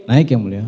naik ya mulia